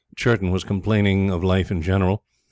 Churton was complaining of life in general.